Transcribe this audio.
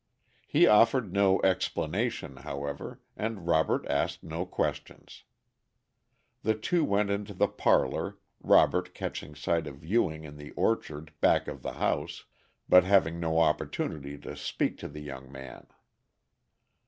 He offered no explanation, however, and Robert asked no questions. The two went into the parlor, Robert catching sight of Ewing in the orchard back of the house, but having no opportunity to speak to the young man.